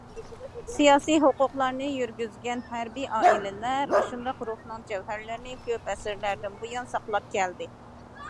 سىياسىي ھوقۇقلارنى يۈرگۈزگەن ھەربىي ئائىلىلەر ئاشۇنداق روھنىڭ جەۋھەرلىرىنى كۆپ ئەسىرلەردىن بۇيان ساقلاپ كەلدى.